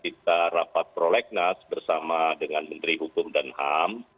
kita rapat prolegnas bersama dengan menteri hukum dan ham